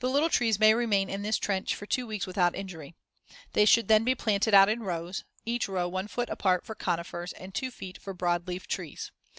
The little trees may remain in this trench for two weeks without injury. They should then be planted out in rows, each row one foot apart for conifers and two feet for broadleaf trees.